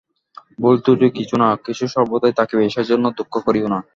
ভুল-ত্রুটি কিছু না কিছু সর্বদাই থাকিবে, সেজন্য দুঃখ করিও না।